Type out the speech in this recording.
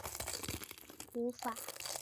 无法以佃农身分参加农保